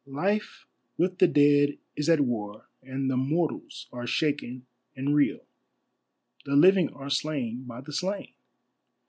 Life with the dead is at war, and the mortals are shaken and reel, The living are slain by the slain!